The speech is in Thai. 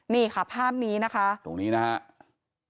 นี่ค่ะภาพนี้นะคะตรงนี้นะครับ